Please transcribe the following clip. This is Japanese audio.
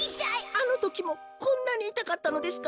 あのときもこんなにいたかったのですか。